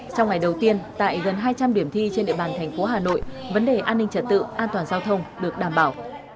trong ngày đầu tiên tại gần hai trăm linh điểm thi trên địa bàn thành phố hà nội vấn đề an ninh trật tự an toàn giao thông được đảm bảo